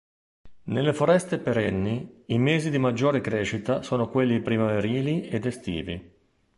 Nelle foreste perenni, i mesi di maggiore crescita sono quelli primaverili ed estivi.